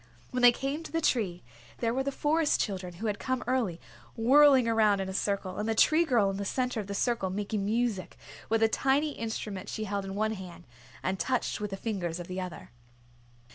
When they came to the tree, there were the Forest Children, who had come early, whirling around in a circle, and the Tree Girl in the center of the circle making music with a tiny instrument she held in one hand and touched with the fingers of the other.